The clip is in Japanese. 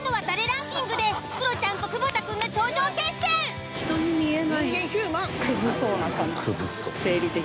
ランキングでクロちゃんと久保田くんが頂上決戦！